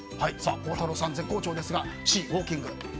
孝太郎さん、絶好調ですがＣ、ウォーキング。